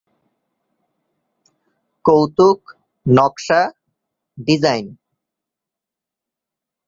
কৌতুক নকশা ডিজাইন।